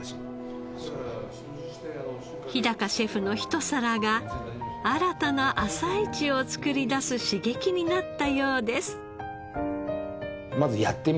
日シェフのひと皿が新たな朝市を作り出す刺激になったようです。